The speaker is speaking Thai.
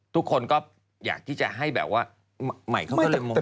ทุกคนก็อยากที่จะให้แบบว่าใหม่เขาก็เลยโม